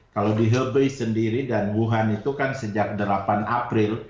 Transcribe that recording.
kalau di helbei sendiri dan wuhan itu kan sejak delapan april